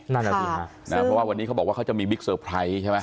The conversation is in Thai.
เพราะว่าวันนี้เขาบอกว่าเขาจะมีบิ๊กเซอร์ไพรส์ใช่ไหม